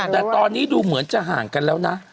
แต่ตอนนี้ดูเหมือนจะห่างกันแล้วนะ